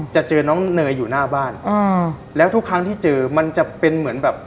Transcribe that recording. เจอน้องเนยอยู่หน้าบ้านอ่าแล้วทุกครั้งที่เจอมันจะเป็นเหมือนแบบ